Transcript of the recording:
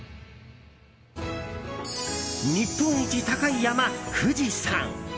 日本一高い山、富士山！